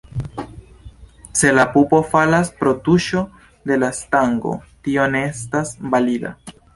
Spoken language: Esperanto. Se la pupo falas pro tuŝo de la stango, tio ne estas valida.